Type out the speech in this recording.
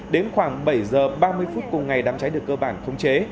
đến khoảng bảy giờ ba mươi phút cùng ngày đám cháy được cơ bản khống chế